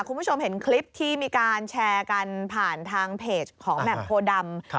คุณผู้ชมเห็นคลิปที่มีการแชร์กันผ่านทางเพจของแหม่มโพดำ